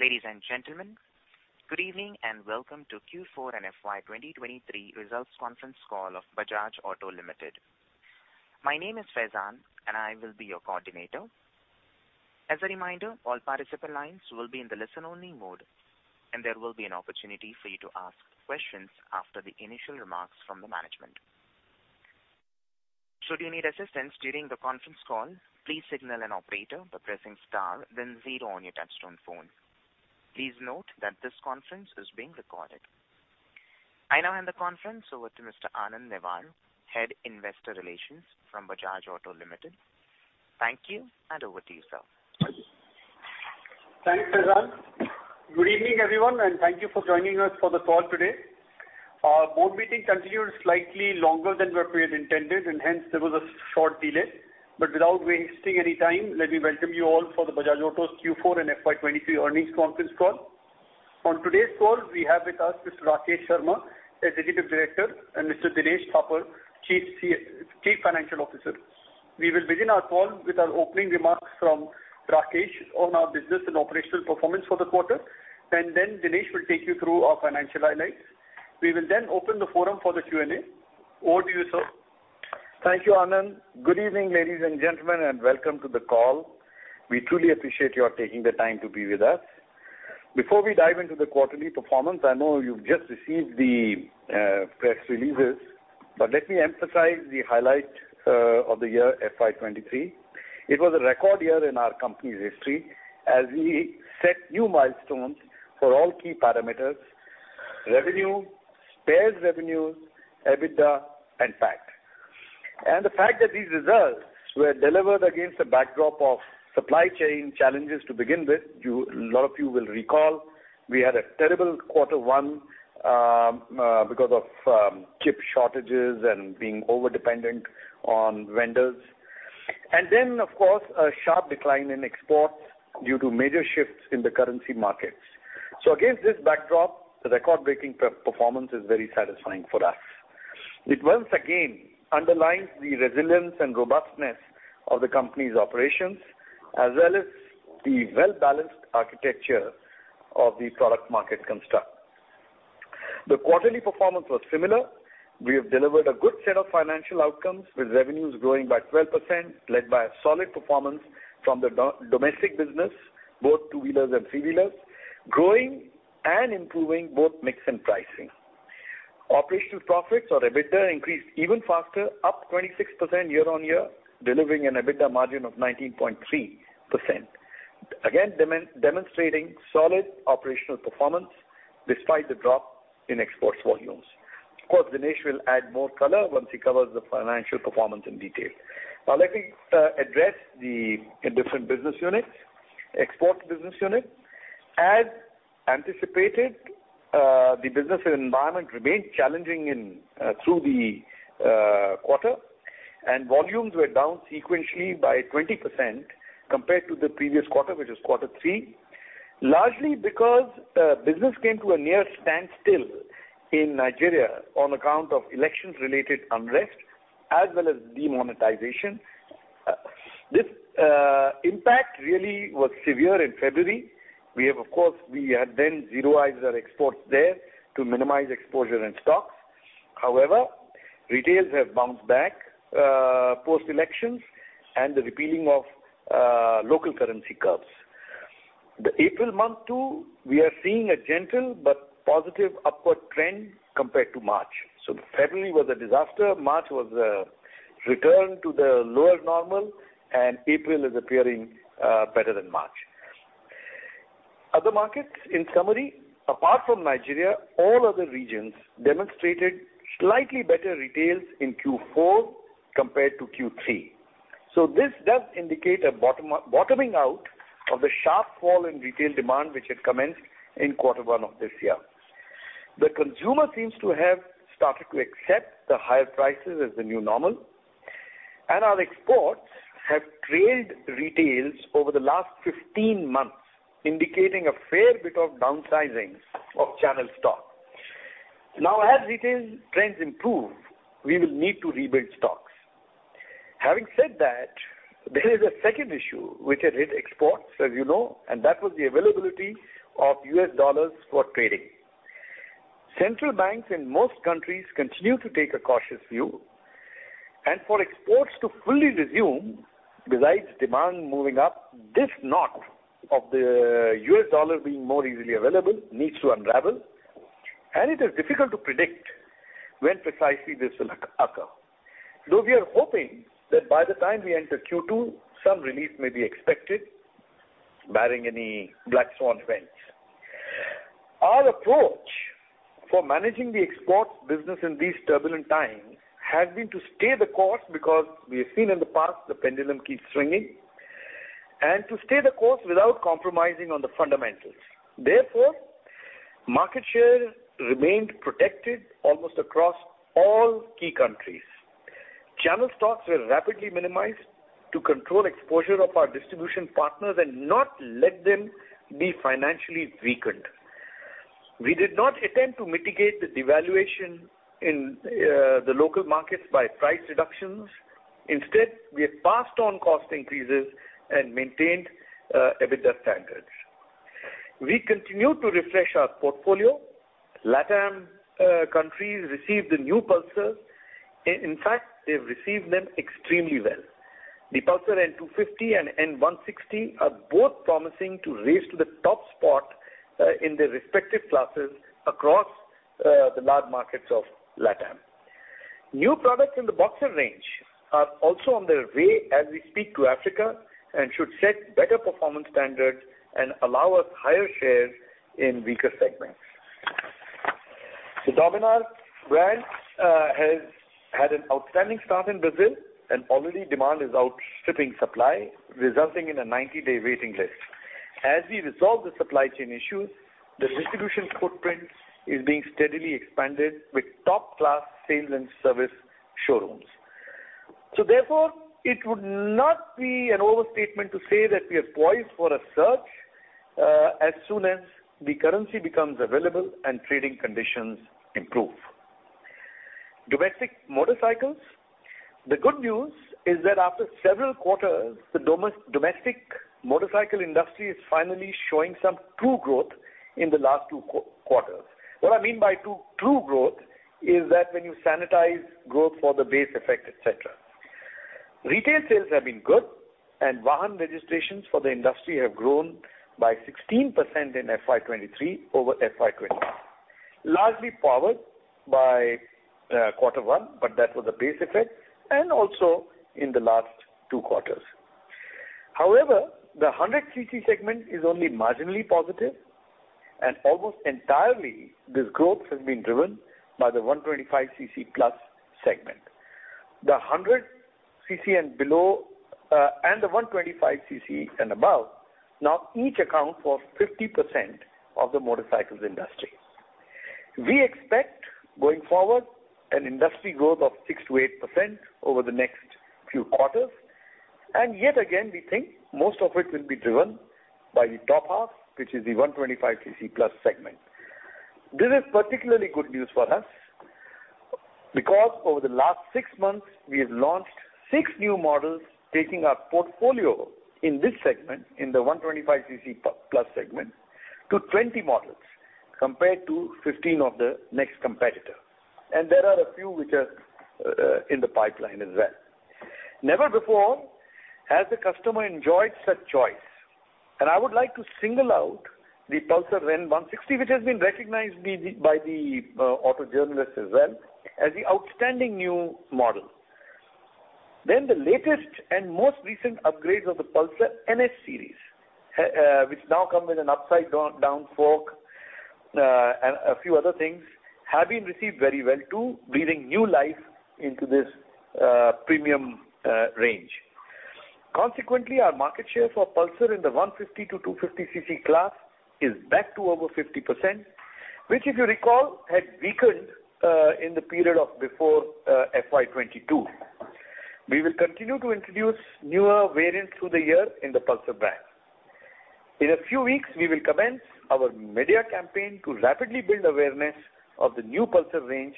Ladies and gentlemen, good evening, and welcome to Q4 and FY 2023 results conference call of Bajaj Auto Limited. My name is Faizan, and I will be your coordinator. As a reminder, all participant lines will be in the listen-only mode, and there will be an opportunity for you to ask questions after the initial remarks from the management. Should you need assistance during the conference call, please signal an operator by pressing star then zero on your touchtone phone. Please note that this conference is being recorded. I now hand the conference over to Mr. Anand Newar, Head Investor Relations from Bajaj Auto Limited. Thank you, and over to you, sir. Thanks, Faizan. Thank you for joining us for the call today. Our board meeting continued slightly longer than what we had intended. Hence there was a short delay. Without wasting any time, let me welcome you all for the Bajaj Auto Q4 and FY 2023 earnings conference call. On today's call, we have with us Mr. Rakesh Sharma, the Executive Director, and Mr. Dinesh Thapar, Chief Financial Officer. We will begin our call with our opening remarks from Rakesh on our business and operational performance for the quarter. Then Dinesh will take you through our financial highlights. We will then open the forum for the Q&A. Over to you, sir. Thank you, Anand. Good evening, ladies and gentlemen, and welcome to the call. We truly appreciate your taking the time to be with us. Before we dive into the quarterly performance, I know you've just received the press releases, but let me emphasize the highlight of the year FY 2023. It was a record year in our company's history as we set new milestones for all key parameters: revenue, spares revenue, EBITDA, and PAT. The fact that these results were delivered against a backdrop of supply chain challenges to begin with, a lot of you will recall, we had a terrible quarter one because of chip shortages and being over-dependent on vendors. Of course, a sharp decline in exports due to major shifts in the currency markets. Against this backdrop, the record-breaking performance is very satisfying for us. It once again underlines the resilience and robustness of the company's operations, as well as the well-balanced architecture of the product market construct. The quarterly performance was similar. We have delivered a good set of financial outcomes with revenues growing by 12%, led by a solid performance from the domestic business, both two-wheelers and three-wheelers, growing and improving both mix and pricing. Operational profits or EBITDA increased even faster, up 26% year-on-year, delivering an EBITDA margin of 19.3%. Again, demonstrating solid operational performance despite the drop in exports volumes. Of course, Dinesh will add more color once he covers the financial performance in detail. Now let me address the different business units. Export business unit. As anticipated, the business environment remained challenging in through the quarter. Volumes were down sequentially by 20% compared to the previous quarter, which was Q3, largely because business came to a near standstill in Nigeria on account of elections-related unrest as well as demonetization. This impact really was severe in February. We have, of course, we had then zeroized our exports there to minimize exposure and stocks. Retails have bounced back post-elections and the repealing of local currency curbs. The April month too, we are seeing a gentle but positive upward trend compared to March. February was a disaster. March was a return to the lower normal, and April is appearing better than March. Other markets, in summary, apart from Nigeria, all other regions demonstrated slightly better retails in Q4 compared to Q3. This does indicate a bottoming out of the sharp fall in retail demand which had commenced in quarter one of this year. The consumer seems to have started to accept the higher prices as the new normal, and our exports have trailed retails over the last 15 months, indicating a fair bit of downsizing of channel stock. As retail trends improve, we will need to rebuild stocks. Having said that, there is a second issue which had hit exports, as you know, and that was the availability of US dollars for trading. Central banks in most countries continue to take a cautious view, and for exports to fully resume, besides demand moving up, this knot of the US dollar being more easily available needs to unravel, and it is difficult to predict when precisely this will occur. Though we are hoping that by the time we enter Q2, some relief may be expected, barring any black swan events. Our approach for managing the exports business in these turbulent times has been to stay the course because we have seen in the past the pendulum keeps swinging, and to stay the course without compromising on the fundamentals. Market share remained protected almost across all key countries. Channel stocks were rapidly minimized to control exposure of our distribution partners and not let them be financially weakened. We did not attempt to mitigate the devaluation in the local markets by price reductions. Instead, we have passed on cost increases and maintained EBITDA standards. We continue to refresh our portfolio. LATAM countries received the new Pulsars. In fact, they've received them extremely well. The Pulsar N250 and N160 are both promising to race to the top spot in their respective classes across the large markets of LATAM. New products in the Boxer range are also on their way as we speak to Africa and should set better performance standards and allow us higher shares in weaker segments. The Dominar brand has had an outstanding start in Brazil, and already demand is outstripping supply, resulting in a 90-day waiting list. As we resolve the supply chain issues, the distribution footprint is being steadily expanded with top-class sales and service showrooms. It would not be an overstatement to say that we are poised for a surge as soon as the currency becomes available and trading conditions improve. Domestic motorcycles. The good news is that after several quarters, the domestic motorcycle industry is finally showing some true growth in the last two quarters. What I mean by true growth is that when you sanitize growth for the base effect, et cetera. Retail sales have been good, and Vahan registrations for the industry have grown by 16% in FY 2023 over FY 2022, largely powered by, quarter one, but that was the base effect, and also in the last two quarters. The 100 cc segment is only marginally positive and almost entirely this growth has been driven by the 125 cc+ segment. The 100 cc and below, and the 125 cc and above now each account for 50% of the motorcycles industry. We expect, going forward, an industry growth of 6%-8% over the next few quarters. Yet again, we think most of it will be driven by the top half, which is the 125 cc+ segment. This is particularly good news for us because over the last six months, we have launched six new models, taking our portfolio in this segment, in the 125 cc+ segment, to 20 models, compared to 15 of the next competitor. There are a few which are in the pipeline as well. Never before has the customer enjoyed such choice, and I would like to single out the Pulsar N160, which has been recognized by the auto journalists as well as the outstanding new model. The latest and most recent upgrades of the Pulsar NS series, which now come with an upside-down fork, and a few other things, have been received very well too, breathing new life into this premium range. Consequently, our market share for Pulsar in the 150 cc-250 cc class is back to over 50%, which if you recall, had weakened in the period of before FY 2022. We will continue to introduce newer variants through the year in the Pulsar brand. In a few weeks, we will commence our media campaign to rapidly build awareness of the new Pulsar range,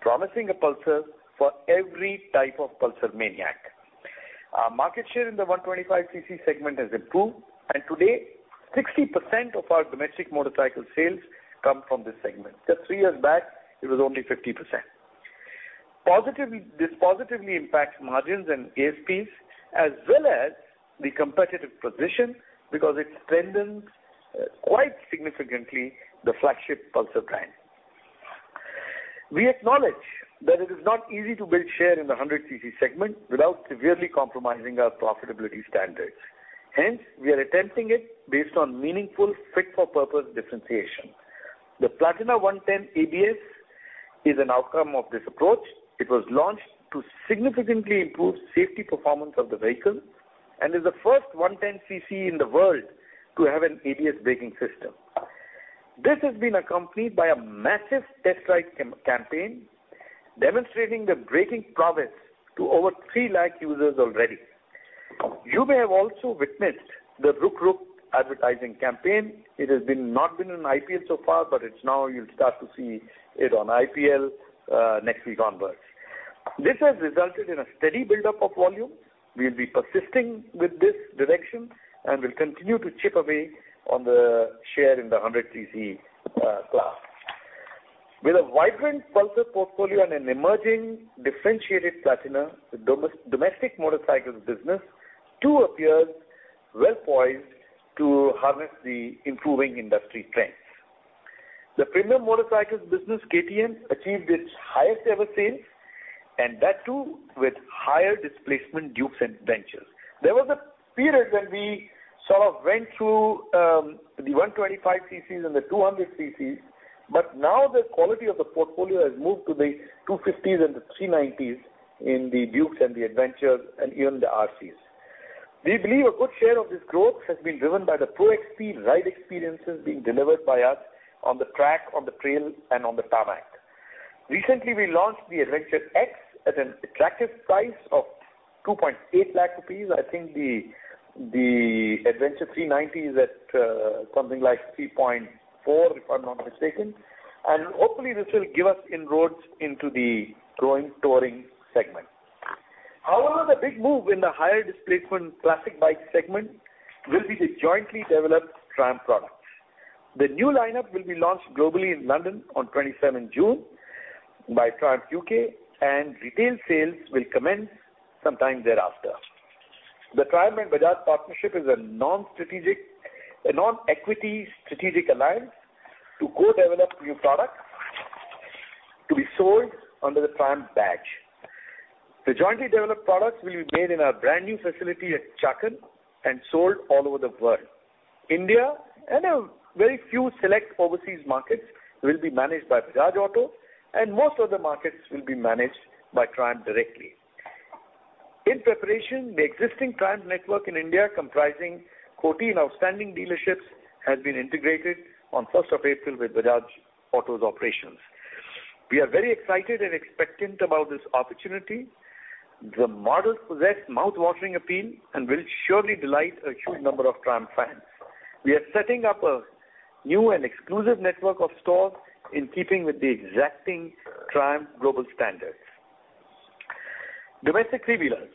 promising a Pulsar for every type of Pulsar maniac. Our market share in the 125 cc segment has improved, and today 60% of our domestic motorcycle sales come from this segment. Just three years back, it was only 50%. This positively impacts margins and ASPs, as well as the competitive position because it strengthens quite significantly the flagship Pulsar brand. We acknowledge that it is not easy to build share in the 100 cc segment without severely compromising our profitability standards. We are attempting it based on meaningful fit for purpose differentiation. The Platina 110 ABS is an outcome of this approach. It was launched to significantly improve safety performance of the vehicle and is the first 110 cc in the world to have an ABS braking system. This has been accompanied by a massive test ride campaign demonstrating the braking prowess to over three lakh users already. You may have also witnessed the Ruk-Ruk advertising campaign. It has been, not been in IPL so far, but it's now, you'll start to see it on IPL next week onwards. This has resulted in a steady buildup of volume. We'll be persisting with this direction and will continue to chip away on the share in the 100 cc class. With a vibrant Pulsar portfolio and an emerging differentiated Platina, the domestic motorcycles business too appears well poised to harvest the improving industry trends. The premium motorcycles business, KTM, achieved its highest ever sales and that too with higher displacement Dukes and Adventures. There was a period when we sort of went through the 125 cc and the 200 cc, but now the quality of the portfolio has moved to the 250s and the 390s in the Dukes and the Adventures and even the RCs. We believe a good share of this growth has been driven by the Pro-XP ride experiences being delivered by us on the track, on the trail, and on the tarmac. Recently, we launched the Adventure X at an attractive price of 2.8 lakh rupees. I think the Adventure 390 is at something like 3.4 lakh, if I'm not mistaken. Hopefully this will give us inroads into the growing touring segment. However, the big move in the higher displacement classic bike segment will be the jointly developed Triumph products. The new lineup will be launched globally in London on 27th June by Triumph UK, and retail sales will commence sometime thereafter. The Triumph and Bajaj partnership is a non-equity strategic alliance to co-develop new products to be sold under the Triumph badge. The jointly developed products will be made in our brand new facility at Chakan and sold all over the world. India and a very few select overseas markets will be managed by Bajaj Auto, and most other markets will be managed by Triumph directly. In preparation, the existing Triumph network in India, comprising 14 outstanding dealerships, has been integrated on 1st of April with Bajaj Auto's operations. We are very excited and expectant about this opportunity. The models possess mouth-watering appeal and will surely delight a huge number of Triumph fans. We are setting up a new and exclusive network of stores in keeping with the exacting Triumph global standards. Domestic three-wheelers.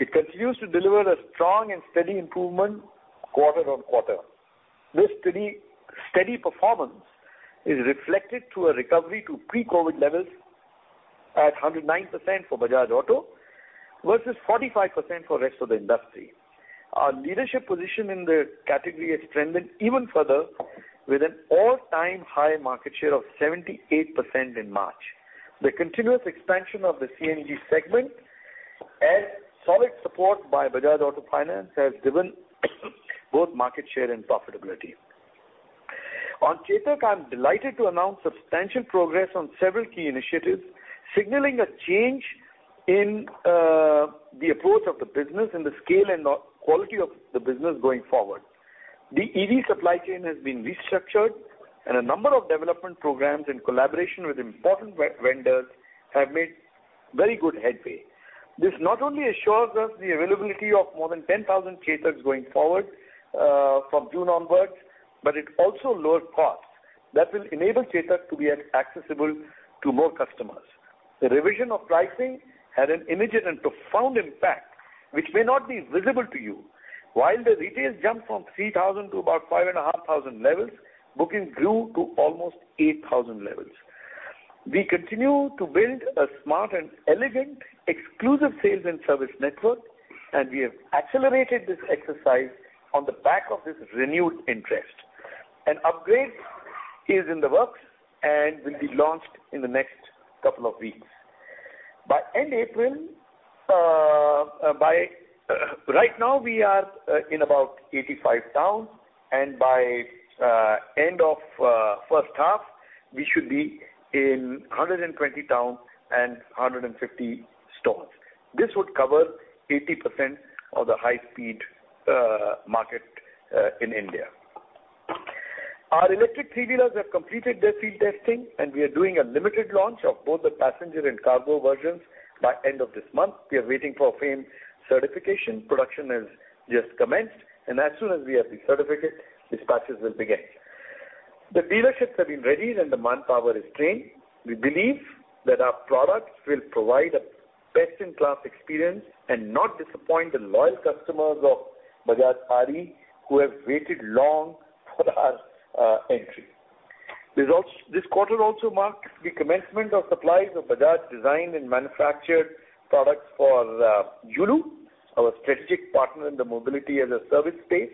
It continues to deliver a strong and steady improvement quarter on quarter. This steady performance is reflected through a recovery to pre-COVID levels at 109% for Bajaj Auto versus 45% for rest of the industry. Our leadership position in the category has strengthened even further with an all-time high market share of 78% in March. The continuous expansion of the CNG segment and solid support by Bajaj Auto Finance has driven both market share and profitability. On Chetak, I'm delighted to announce substantial progress on several key initiatives, signaling a change in the approach of the business and the scale and the quality of the business going forward. The EV supply chain has been restructured and a number of development programs in collaboration with important vendors have made very good headway. This not only assures us the availability of more than 10,000 Chetaks going forward, from June onwards, it also lowers costs that will enable Chetak to be accessible to more customers. The revision of pricing had an immediate and profound impact which may not be visible to you. The retails jumped from 3,000 to about 5,500 levels, bookings grew to almost 8,000 levels. We continue to build a smart and elegant exclusive sales and service network. We have accelerated this exercise on the back of this renewed interest. An upgrade is in the works and will be launched in the next couple of weeks. By end April, by. Right now we are in about 85 towns and by end of first half, we should be in 120 towns and 150 stores. This would cover 80% of the high-speed market in India. Our electric three-wheelers have completed their field testing. We are doing a limited launch of both the passenger and cargo versions by end of this month. We are waiting for FAME certification. Production has just commenced. As soon as we have the certificate, dispatches will begin. The dealerships have been readied and the manpower is trained. We believe that our products will provide a best-in-class experience and not disappoint the loyal customers of Bajaj RE who have waited long for our entry. Results. This quarter also marked the commencement of supplies of Bajaj designed and manufactured products for Yulu, our strategic partner in the mobility-as-a-service space.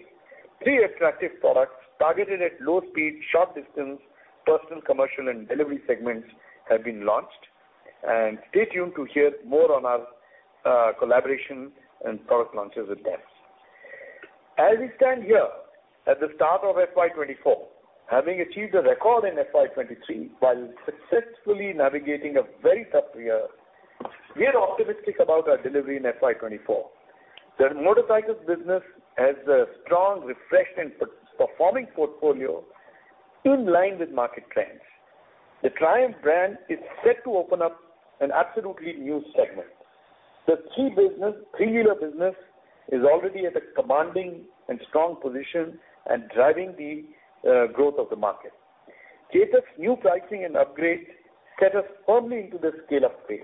Three attractive products targeted at low speed, short distance, personal, commercial, and delivery segments have been launched. Stay tuned to hear more on our collaboration and product launches with them. As we stand here at the start of FY 2024, having achieved a record in FY 2023 while successfully navigating a very tough year, we are optimistic about our delivery in FY 2024. The motorcycles business has a strong, refreshed, and performing portfolio in line with market trends. The Triumph brand is set to open up an absolutely new segment. The three-wheeler business is already at a commanding and strong position and driving the growth of the market. Chetak's new pricing and upgrades set us firmly into the scale-up phase.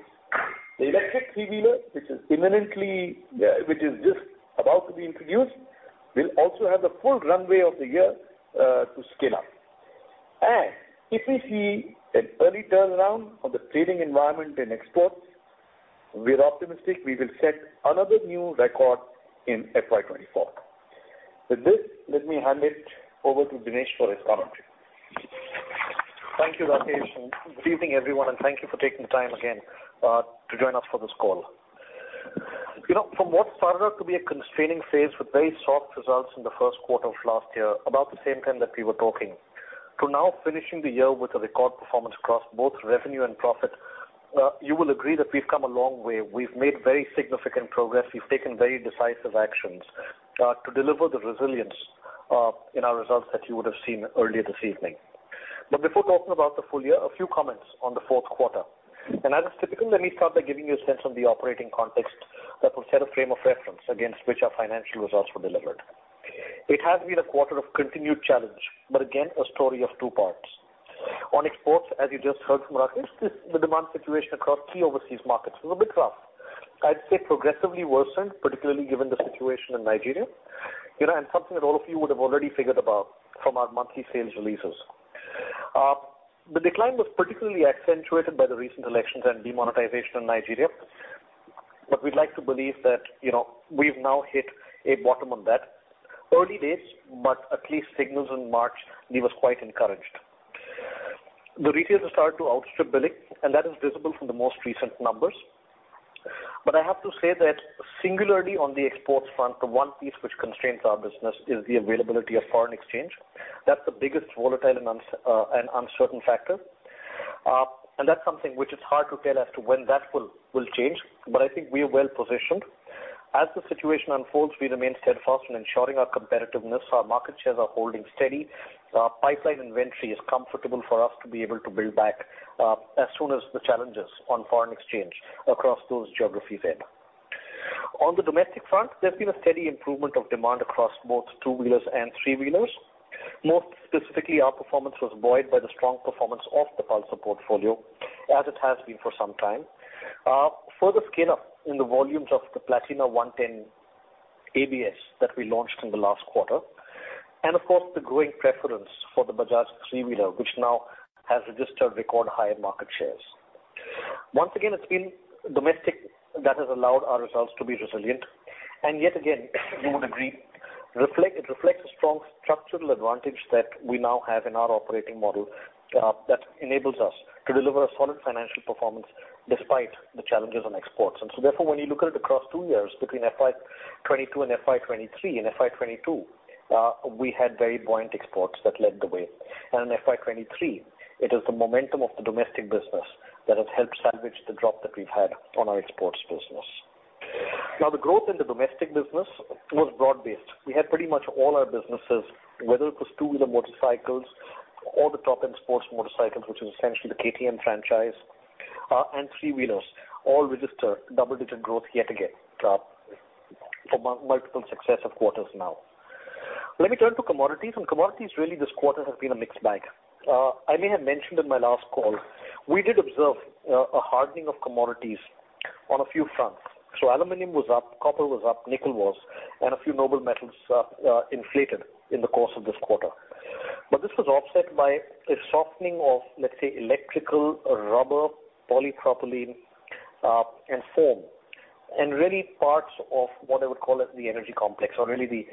The electric three-wheeler, which is imminently, which is just about to be introduced, will also have the full runway of the year, to scale up. If we see an early turnaround on the trading environment and exports, we're optimistic we will set another new record in FY 2024. With this, let me hand it over to Dinesh for his commentary. Thank you, Rakesh, good evening, everyone, thank you for taking the time again to join us for this call. You know, from what started out to be a constraining phase with very soft results in the first quarter of last year, about the same time that we were talking, to now finishing the year with a record performance across both revenue and profit. You will agree that we've come a long way. We've made very significant progress. We've taken very decisive actions to deliver the resilience in our results that you would have seen earlier this evening. Before talking about the full year, a few comments on the fourth quarter. As is typical, let me start by giving you a sense of the operating context that will set a frame of reference against which our financial results were delivered. It has been a quarter of continued challenge, but again, a story of two parts. On exports, as you just heard from Rakesh, the demand situation across key overseas markets was a bit rough. I'd say progressively worsened, particularly given the situation in Nigeria. You know, and something that all of you would have already figured about from our monthly sales releases. The decline was particularly accentuated by the recent elections and demonetization in Nigeria. We'd like to believe that, you know, we've now hit a bottom on that. Early days, but at least signals in March leave us quite encouraged. The retailers have started to outstrip billing, and that is visible from the most recent numbers. I have to say that singularly on the exports front, the one piece which constrains our business is the availability of foreign exchange. That's the biggest volatile and uncertain factor. That's something which is hard to tell as to when that will change, but I think we are well-positioned. As the situation unfolds, we remain steadfast in ensuring our competitiveness. Our market shares are holding steady. Our pipeline inventory is comfortable for us to be able to build back as soon as the challenge is on foreign exchange across those geographies end. On the domestic front, there's been a steady improvement of demand across both two-wheelers and three-wheelers. More specifically, our performance was buoyed by the strong performance of the Pulsar portfolio, as it has been for some time. Further scale-up in the volumes of the Platina 110 ABS that we launched in the last quarter, and of course, the growing preference for the Bajaj three-wheeler, which now has registered record high market shares. Once again, it's been domestic that has allowed our results to be resilient. Yet again, you would agree, it reflects a strong structural advantage that we now have in our operating model, that enables us to deliver a solid financial performance despite the challenges on exports. Therefore, when you look at it across two years between FY 2022 and FY 2023. In FY 2022, we had very buoyant exports that led the way. In FY 2023, it is the momentum of the domestic business that has helped salvage the drop that we've had on our exports business. Now, the growth in the domestic business was broad-based. We had pretty much all our businesses, whether it was two-wheeler motorcycles or the top-end sports motorcycles, which is essentially the KTM franchise, and three-wheelers, all registered double-digit growth yet again, for multiple successive quarters now. Let me turn to commodities. Commodities really this quarter have been a mixed bag. I may have mentioned in my last call, we did observe a hardening of commodities on a few fronts. Aluminum was up, copper was up, nickel was, and a few noble metals inflated in the course of this quarter. This was offset by a softening of, let's say, electrical, rubber, polypropylene, and foam, and really parts of what I would call as the energy complex or really the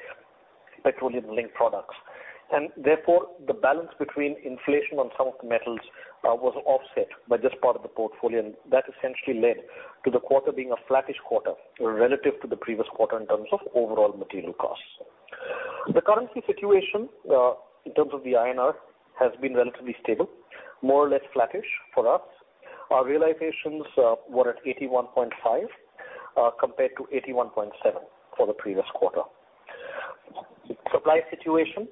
petroleum-linked products. Therefore, the balance between inflation on some of the metals was offset by this part of the portfolio, and that essentially led to the quarter being a flattish quarter relative to the previous quarter in terms of overall material costs. The currency situation, in terms of the INR, has been relatively stable, more or less flattish for us. Our realizations were at 81.5, compared to 81.7 for the previous quarter. Supply situation,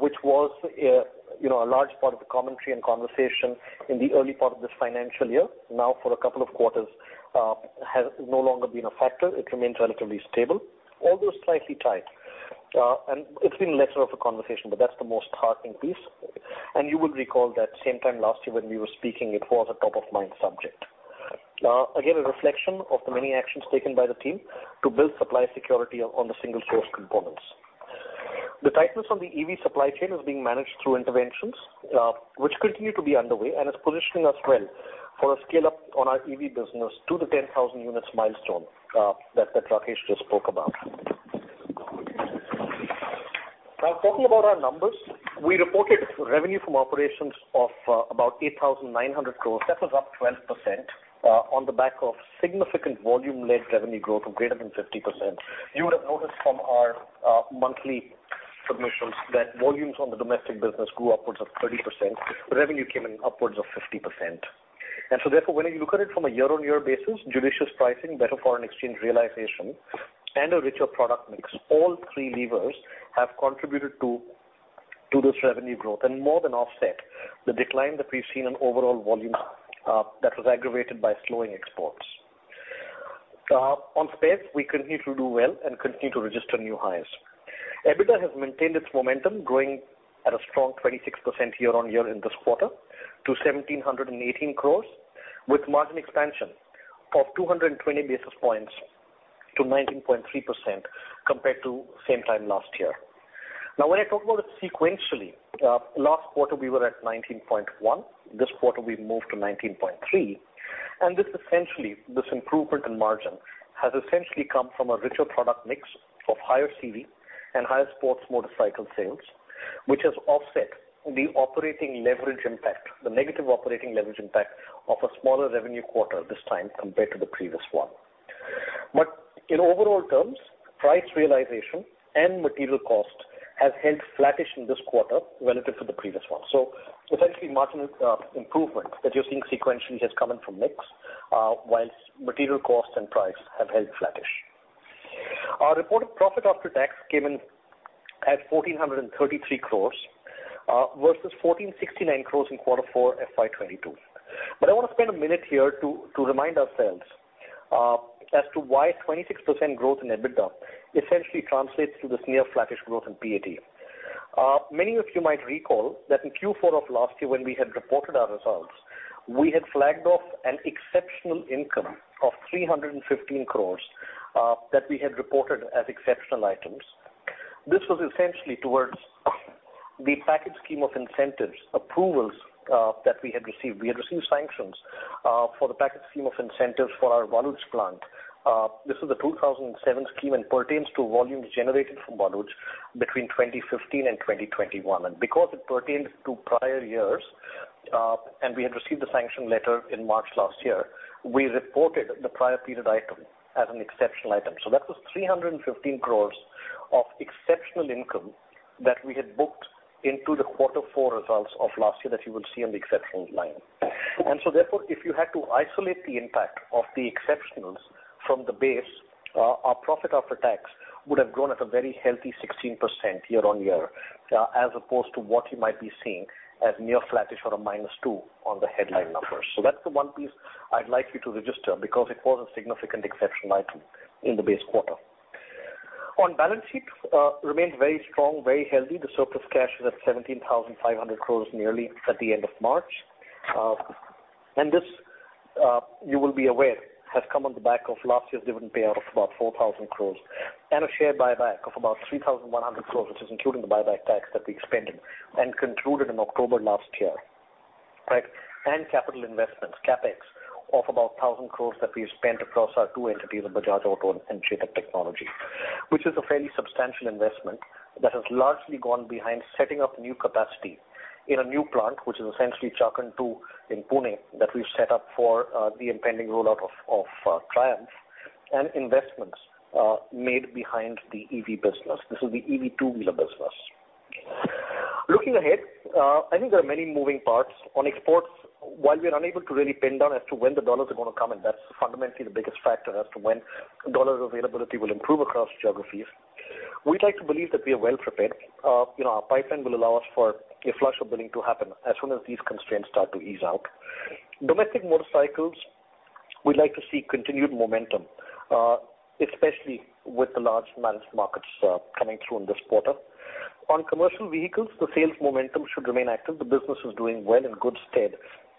which was, you know, a large part of the commentary and conversation in the early part of this financial year, now for a couple of quarters, has no longer been a factor. It remains relatively stable, although slightly tight. And it's been lesser of a conversation, but that's the most heartening piece. You will recall that same time last year when we were speaking, it was a top-of-mind subject. Again, a reflection of the many actions taken by the team to build supply security on the single source components. The tightness on the EV supply chain is being managed through interventions, which continue to be underway and is positioning us well for a scale-up on our EV business to the 10,000 units milestone that Rakesh just spoke about. Talking about our numbers. We reported revenue from operations of about 8,900 crore. That was up 12% on the back of significant volume-led revenue growth of greater than 50%. You would have noticed from our monthly submissions that volumes on the domestic business grew upwards of 30%. Revenue came in upwards of 50%. Therefore, when you look at it from a year-on-year basis, judicious pricing, better foreign exchange realization, and a richer product mix, all three levers have contributed to this revenue growth and more than offset the decline that we've seen on overall volume that was aggravated by slowing exports. On space, we continue to do well and continue to register new highs. EBITDA has maintained its momentum, growing at a strong 26% year-on-year in this quarter to 1,718 crore, with margin expansion of 220 basis points to 19.3% compared to same time last year. When I talk about it sequentially, last quarter we were at 19.1%. This quarter we've moved to 19.3%. This essentially, this improvement in margin has essentially come from a richer product mix of higher CD and higher sports motorcycle sales, which has offset the operating leverage impact, the negative operating leverage impact of a smaller revenue quarter this time compared to the previous one. In overall terms, price realization and material cost has held flattish in this quarter relative to the previous one. Essentially, marginal improvement that you're seeing sequentially has come in from mix, whilst material costs and price have held flattish. Our reported profit after tax came in at 1,433 crore versus 1,469 crore in Q4 FY 2022. I wanna spend a minute here to remind ourselves as to why 26% growth in EBITDA essentially translates to this near flattish growth in PAT. Many of you might recall that in Q4 of last year when we had reported our results, we had flagged off an exceptional income of 315 crore that we had reported as exceptional items. This was essentially towards the Package Scheme of Incentives approvals that we had received. We had received sanctions for the Package Scheme of Incentives for our Vadodara plant. This is a 2007 scheme and pertains to volumes generated from Vadodara between 2015 and 2021. Because it pertained to prior years, and we had received the sanction letter in March last year, we reported the prior period item as an exceptional item. That was 315 crore of exceptional income that we had booked into the quarter four results of last year that you will see on the exceptional line. Therefore, if you had to isolate the impact of the exceptionals from the base, our PAT would have grown at a very healthy 16% year-on-year, as opposed to what you might be seeing as near flattish or a -2 on the headline numbers. That's the one piece I'd like you to register because it was a significant exceptional item in the base quarter. On balance sheet, remains very strong, very healthy. The surplus cash is at 17,500 crore nearly at the end of March. This, you will be aware, has come on the back of last year's dividend payout of about 4,000 crore and a share buyback of about 3,100 crore, which is including the buyback tax that we expended and concluded in October last year. Right? Capital investments, CapEx, of about 1,000 crore that we've spent across our two entities of Bajaj Auto and Chetak Technology. Which is a fairly substantial investment that has largely gone behind setting up new capacity in a new plant, which is essentially Chakan 2 in Pune that we've set up for the impending rollout of Triumph and investments made behind the EV business. This is the EV two-wheeler business. Looking ahead, I think there are many moving parts. On exports, while we are unable to really pin down as to when the dollars are gonna come. That's fundamentally the biggest factor as to when dollar availability will improve across geographies. We'd like to believe that we are well prepared. You know, our pipeline will allow us for a flush of billing to happen as soon as these constraints start to ease out. Domestic motorcycles, we'd like to see continued momentum, especially with the large finance markets coming through in this quarter. On commercial vehicles, the sales momentum should remain active. The business is doing well in good stead.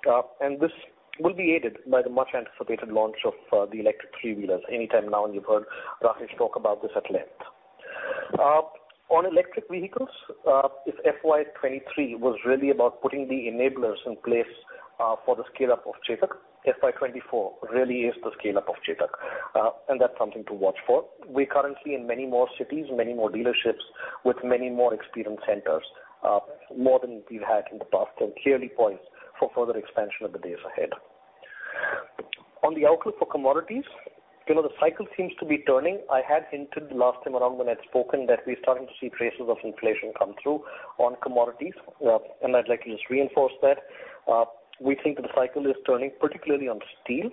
This will be aided by the much anticipated launch of the electric three-wheelers anytime now. You've heard Rakesh talk about this at length. On electric vehicles, if FY 2023 was really about putting the enablers in place, for the scale up of Chetak, FY 2024 really is the scale up of Chetak. That's something to watch for. We're currently in many more cities, many more dealerships with many more experience centers, more than we've had in the past and clearly points for further expansion of the days ahead. On the outlook for commodities, you know, the cycle seems to be turning. I had hinted last time around when I'd spoken that we're starting to see traces of inflation come through on commodities. I'd like to just reinforce that. We think that the cycle is turning particularly on steel.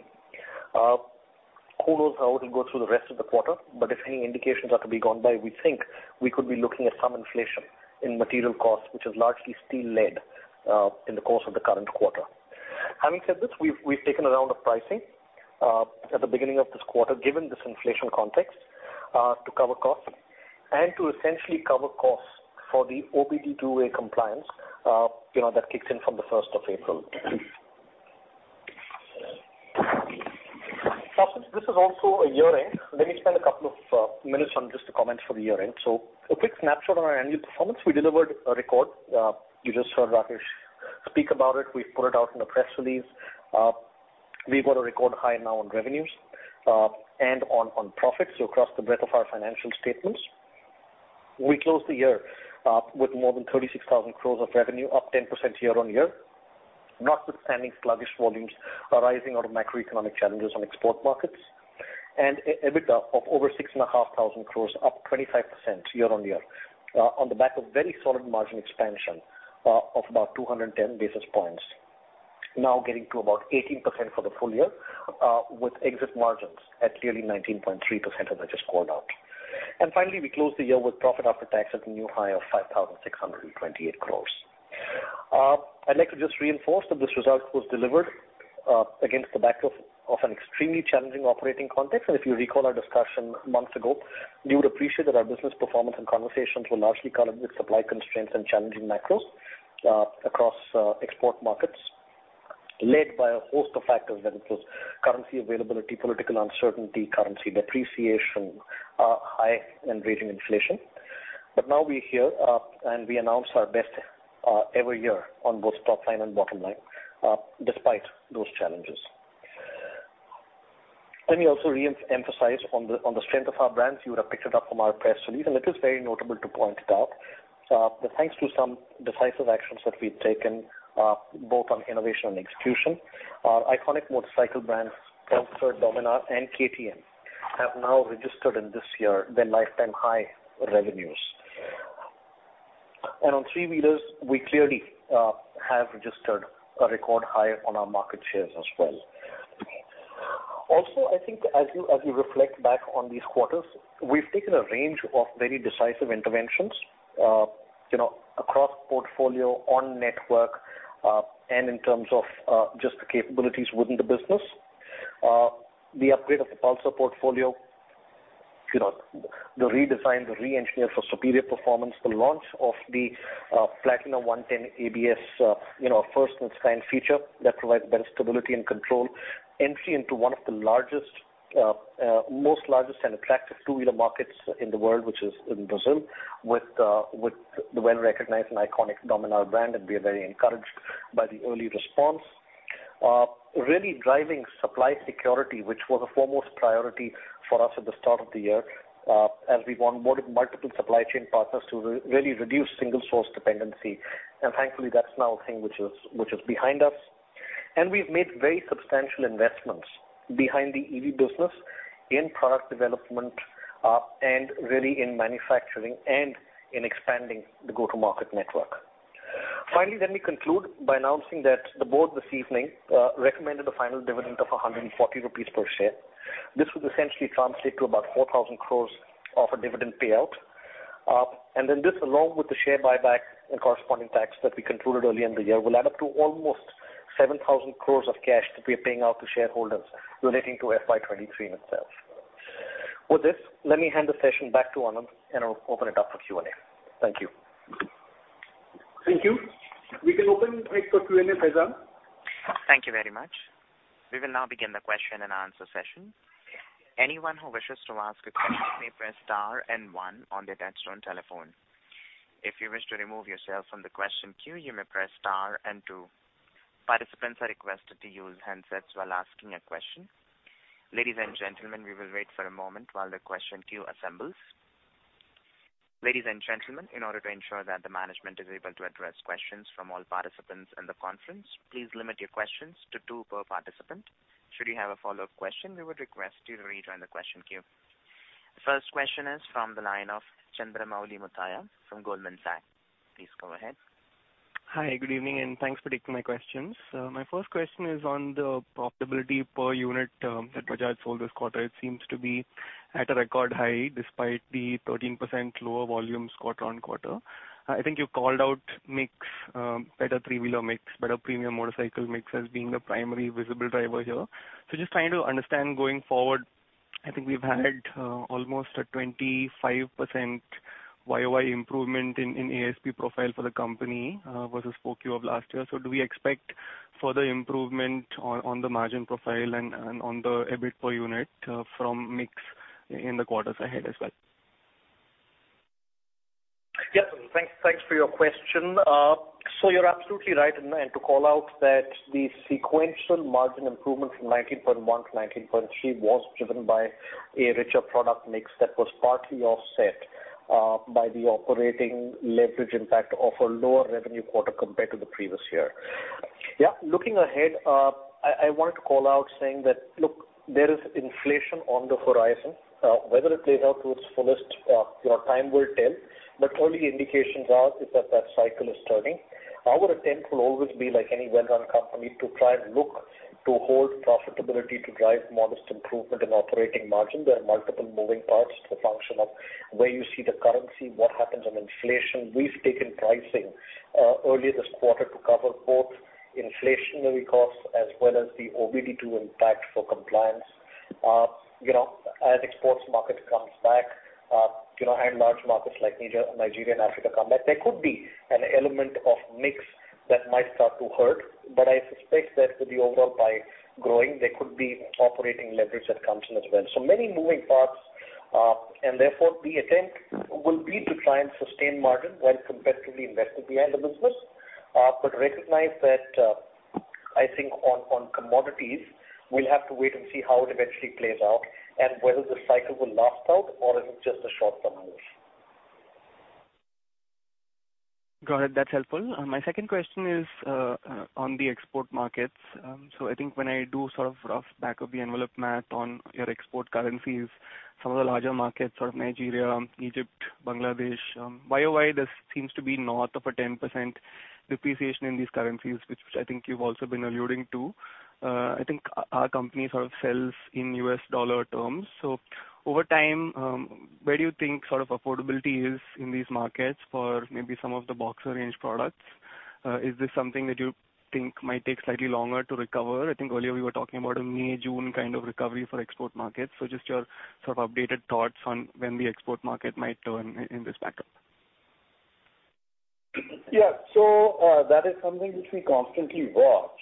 Who knows how it'll go through the rest of the quarter? If any indications are to be gone by, we think we could be looking at some inflation in material costs, which is largely steel led, in the course of the current quarter. Having said this, we've taken a round of pricing at the beginning of this quarter, given this inflation context, to cover costs and to essentially cover costs for the OBD-II compliance, you know, that kicks in from the 1st of April. Since this is also a year-end, let me spend a couple of minutes on just to comment for the year-end. A quick snapshot on our annual performance. We delivered a record. You just heard Rakesh speak about it. We've put it out in the press release. We've got a record high now on revenues and on profits. Across the breadth of our financial statements. We closed the year with more than 36,000 crore of revenue, up 10% year-on-year, notwithstanding sluggish volumes arising out of macroeconomic challenges on export markets. EBITDA of over 6,500 crore, up 25% year-on-year, on the back of very solid margin expansion, of about 210 basis points. Getting to about 18% for the full year, with exit margins at clearly 19.3%, as I just called out. Finally, we closed the year with profit after tax at a new high of 5,628 crore. I'd like to just reinforce that this result was delivered against the backdrop of an extremely challenging operating context. If you recall our discussion months ago, you would appreciate that our business performance and conversations were largely colored with supply constraints and challenging macros across export markets led by a host of factors, whether it was currency availability, political uncertainty, currency depreciation, high and raging inflation. Now we're here, and we announced our best ever year on both top line and bottom line despite those challenges. Let me also re-emphasize on the strength of our brands. You would have picked it up from our press release, and it is very notable to point it out. Thanks to some decisive actions that we've taken, both on innovation and execution, our iconic motorcycle brands, Pulsar, Dominar and KTM, have now registered in this year their lifetime high revenues. On three-wheelers, we clearly have registered a record high on our market shares as well. I think as you reflect back on these quarters, we've taken a range of very decisive interventions, you know, across portfolio, on network, and in terms of just the capabilities within the business. The upgrade of the Pulsar portfolio, you know, the redesign, the re-engineer for superior performance. The launch of the Platina 110 ABS, you know, a first in its kind feature that provides better stability and control. Entry into one of the largest, most largest and attractive two-wheeler markets in the world, which is in Brazil, with the well-recognized and iconic Dominar brand, and we are very encouraged by the early response. Really driving supply security, which was a foremost priority for us at the start of the year, as we want multiple supply chain partners to really reduce single source dependency. Thankfully, that's now a thing which is behind us. We've made very substantial investments behind the EV business in product development, and really in manufacturing and in expanding the go-to-market network. Finally, let me conclude by announcing that the board this evening recommended a final dividend of 140 rupees per share. This would essentially translate to about 4,000 crore of a dividend payout. This, along with the share buyback and corresponding tax that we concluded early in the year, will add up to almost 7,000 crore of cash that we are paying out to shareholders relating to FY 2023 itself. With this, let me hand the session back to Anand, and I'll open it up for Q&A. Thank you. Thank you. We can open it for Q&A, Faizan. Thank you very much. We will now begin the question and answer session. Anyone who wishes to ask a question may press star and one on their touch-tone telephone. If you wish to remove yourself from the question queue, you may press star and two. Participants are requested to use handsets while asking a question. Ladies and gentlemen, we will wait for a moment while the question queue assembles. Ladies and gentlemen, in order to ensure that the management is able to address questions from all participants in the conference, please limit your questions to two per participant. Should you have a follow-up question, we would request you to rejoin the question queue. The first question is from the line of Chandramouli Muthiah from Goldman Sachs. Please go ahead. Hi. Good evening and thanks for taking my questions. My first question is on the profitability per unit that Bajaj sold this quarter. It seems to be at a record high despite the 13% lower volumes quarter-on-quarter. I think you called out mix, better three-wheeler mix, better premium motorcycle mix as being the primary visible driver here. Just trying to understand going forward, I think we've had almost a 25% YOY improvement in ASP profile for the company versus 4Q of last year. Do we expect further improvement on the margin profile and on the EBIT per unit from mix in the quarters ahead as well? Thanks for your question. You're absolutely right in, and to call out that the sequential margin improvement from 19.1% to 19.3% was driven by a richer product mix that was partly offset by the operating leverage impact of a lower revenue quarter compared to the previous year. Looking ahead, I wanted to call out saying that, look, there is inflation on the horizon. Whether it plays out to its fullest, you know, time will tell, but early indications are is that that cycle is turning. Our attempt will always be like any well-run company to try and look to hold profitability to drive modest improvement in operating margin. There are multiple moving parts to the function of where you see the currency, what happens on inflation. We've taken pricing early this quarter to cover both inflationary costs as well as the OBD-II impact for compliance. You know, as exports market comes back, you know, and large markets like Nigeria and Africa come back, there could be an element of mix that might start to hurt. I suspect that with the overall pipe growing, there could be operating leverage that comes in as well. Many moving parts, and therefore the attempt will be to try and sustain margin while competitively investing behind the business. Recognize that, I think on commodities, we'll have to wait and see how it eventually plays out and whether the cycle will last out or is it just a short-term move. Got it. That's helpful. My second question is on the export markets. I think when I do sort of rough back of the envelope math on your export currencies, some of the larger markets sort of Nigeria, Egypt, Bangladesh, YOY, this seems to be north of a 10% depreciation in these currencies, which I think you've also been alluding to. I think our company sort of sells in US dollar terms. Over time, where do you think sort of affordability is in these markets for maybe some of the Boxer range products? Is this something that you think might take slightly longer to recover? I think earlier you were talking about a May, June kind of recovery for export markets. Just your sort of updated thoughts on when the export market might turn in this backup. Yeah. That is something which we constantly watch.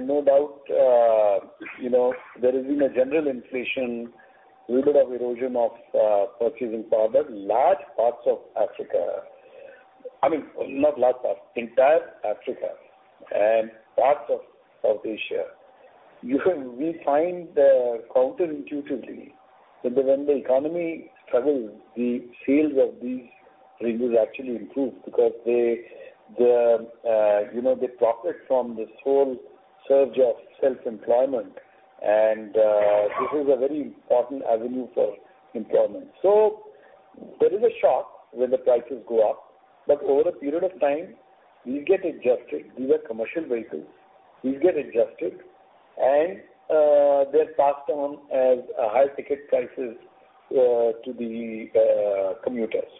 No doubt, you know, there has been a general inflation, little bit of erosion of purchasing power, but large parts of Africa. I mean, not large parts, entire Africa and parts of South Asia. we find counterintuitively that when the economy struggles, the sales of these vehicles actually improve because they, you know, they profit from this whole surge of self-employment and this is a very important avenue for employment. There is a shock when the prices go up, but over a period of time, you get adjusted. These are commercial vehicles. You get adjusted and they're passed on as high ticket prices to the commuters.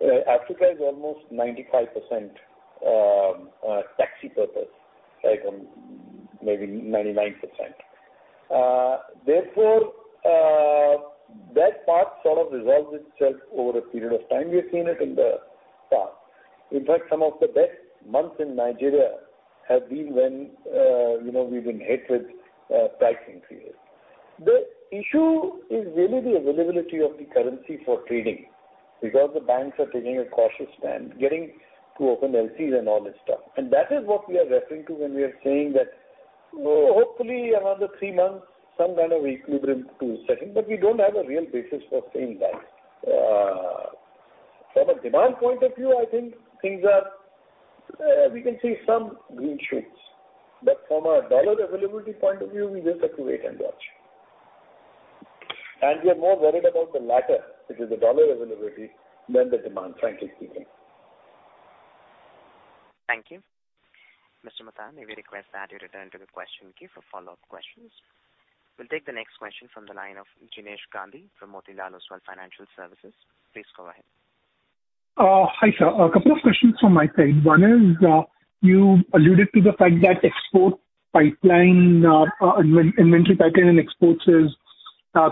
Africa is almost 95%, taxi purpose, like, maybe 99%. That part sort of resolves itself over a period of time. We've seen it in the past. In fact, some of the best months in Nigeria have been when, you know, we've been hit with price increases. The issue is really the availability of the currency for trading because the banks are taking a cautious stand, getting to open LCs and all this stuff. That is what we are referring to when we are saying that, hopefully another three months, some kind of equilibrium to setting, but we don't have a real basis for saying that. From a demand point of view, I think things are, we can see some green shoots. From a USD availability point of view, we just have to wait and watch. We are more worried about the latter, which is the USD availability than the demand, frankly speaking. Thank you. Mr. Muthiah, may we request that you return to the question queue for follow-up questions. We'll take the next question from the line of Jinesh Gandhi from Motilal Oswal Financial Services. Please go ahead. Hi, sir. A couple of questions from my side. One is, you alluded to the fact that export pipeline, inventory pipeline and exports is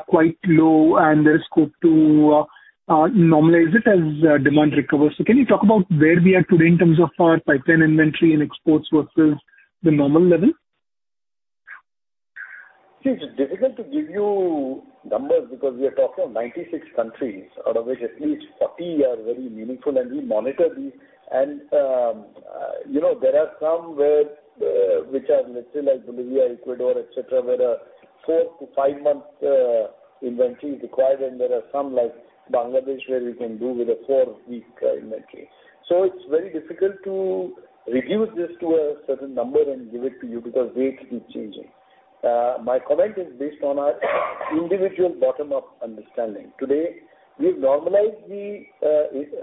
quite low and there's scope to normalize it as demand recovers. Can you talk about where we are today in terms of our pipeline inventory and exports versus the normal level? It's difficult to give you numbers because we are talking of 96 countries, out of which at least 40 are very meaningful. We monitor these. You know, there are some where which are literally like Bolivia, Ecuador, et cetera, where a four to five month inventory is required. There are some like Bangladesh, where you can do with a four-week inventory. It's very difficult to reduce this to a certain number and give it to you because rates keep changing. My comment is based on our individual bottom-up understanding. Today, we've normalized the,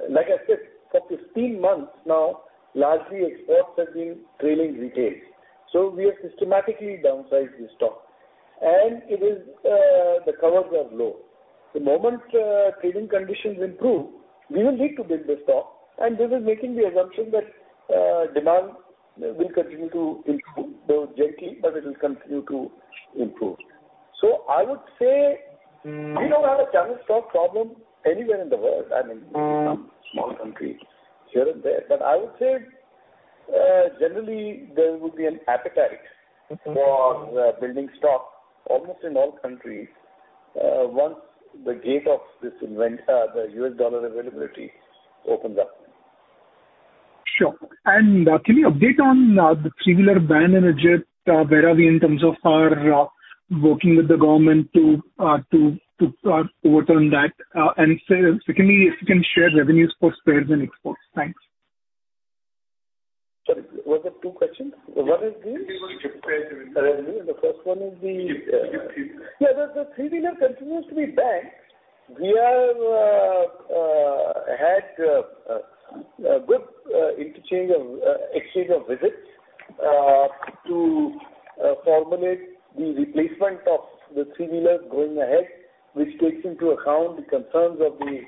like I said, for 15 months now, largely exports have been trailing retail. We have systematically downsized the stock. The covers are low. The moment, trading conditions improve, we will need to build the stock, and this is making the assumption that, demand will continue to improve, though gently, but it will continue to improve. Mm. we don't have a channel stock problem anywhere in the world. I mean Mm. some small countries here and there. I would say, generally there would be an appetite- Mm-hmm. for building stock almost in all countries, once the gate of the US dollar availability opens up. Sure. Can you update on the three-wheeler ban in Egypt? Where are we in terms of our working with the government to overturn that? Secondly, if you can share revenues for spares and exports. Thanks. Sorry, was it 2 questions? One is. Three-wheeler ban in Egypt. Revenue. The first one is. Three-wheeler ban. Yeah, the three-wheeler continues to be banned. We have had a good interchange of exchange of visits to formulate the replacement of the three-wheeler going ahead, which takes into account the concerns of the